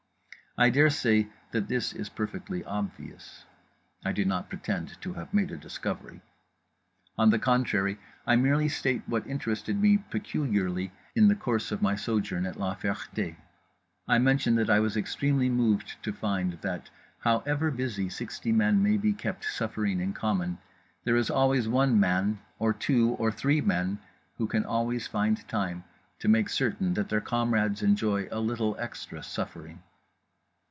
I daresay that this is perfectly obvious. I do not pretend to have made a discovery. On the contrary, I merely state what interested me peculiarly in the course of my sojourn at La Ferté: I mention that I was extremely moved to find that, however busy sixty men may be kept suffering in common, there is always one man or two or three men who can always find time to make certain that their comrades enjoy a little extra suffering.